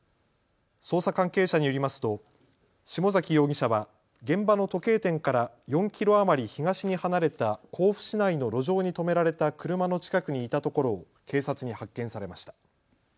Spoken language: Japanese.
捜査関係者によりますと下崎容疑者は現場の時計店から４キロ余り東に離れた甲府市内の路上に止められた車の近くにいたところを警察に発見されました。